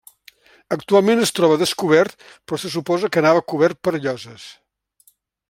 Actualment es troba descobert, però se suposa que anava cobert per lloses.